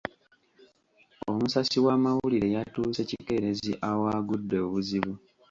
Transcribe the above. Omusasi w'amawulire yatuuse kikeerezi ewaagudde obuzibu.